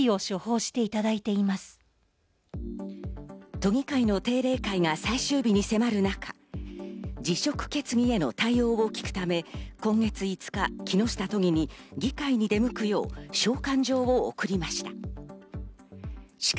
都議会の定例会が最終日に迫る中、辞職決議への対応を聞くため、今月５日、木下都議に議会に出向くよう召喚状を送りました。